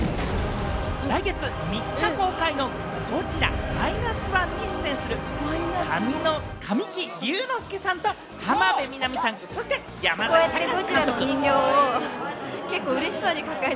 来月３日公開の『ゴジラ−１．０』に出演する神木隆之介さんと浜辺美波さん、そして山崎貴監督。